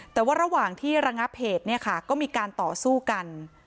แต่ว่าระหว่างที่ระงับเหตุเนี่ยค่ะก็มีการต่อสู้กัน